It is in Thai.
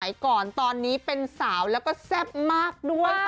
ก่อนตอนนี้เป็นสาวแล้วก็แซ่บมากด้วย